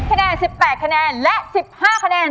คะแนน๑๘คะแนนและ๑๕คะแนน